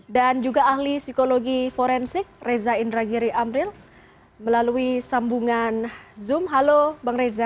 dan juga ahli psikologi forensik reza indragiri amril melalui sambungan zoom halo bang reza